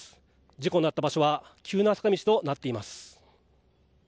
事故のあった場所は急な坂道となっています。